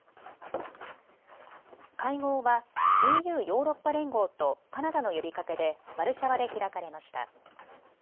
会合はＥＵ・ヨーロッパ連合とカナダの呼びかけでワルシャワで開かれました。